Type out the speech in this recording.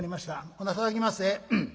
ほなたたきまっせ。